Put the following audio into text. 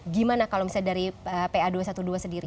gimana kalau misalnya dari pa dua ratus dua belas sendiri